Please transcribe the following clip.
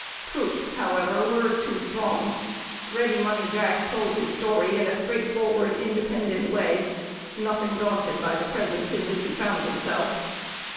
Proofs, however, were too strong. Ready Money Jack told his story in a straightforward independent way, nothing daunted by the presence in which he found himself.